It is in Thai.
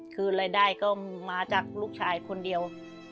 คือรายได้ก็มาจากลูกชายคนเดียว